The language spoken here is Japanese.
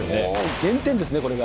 原点ですね、これが。